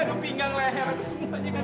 aduh pinggang leher aku semuanya kan